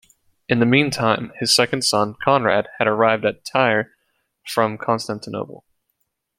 In the meantime, his second son, Conrad, had arrived at Tyre from Constantinople.